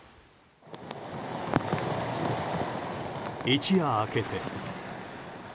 一夜明けて。